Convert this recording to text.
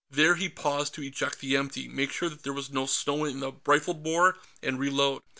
There he paused to eject the empty, make sure that there was no snow in the rifle bore, and reload.